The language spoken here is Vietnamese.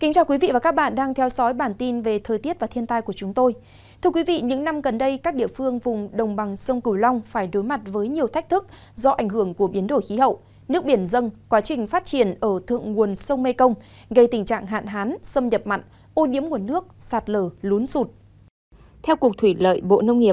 các bạn hãy đăng ký kênh để ủng hộ kênh của chúng tôi nhé